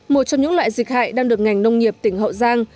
một trong những loại dịch hại đang được ngành nông nghiệp tỉnh hậu giang